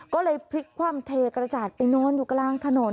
ก็เลยพลิกคว่ำเทกระจาดไปนอนอยู่กลางถนน